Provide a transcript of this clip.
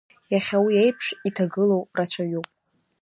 Иахьа уи аиԥш иҭагылоу рацәаҩуп…